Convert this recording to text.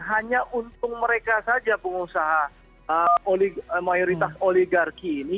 hanya untuk mereka saja pengusaha mayoritas oligarki ini